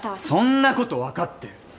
そんなことわかってる。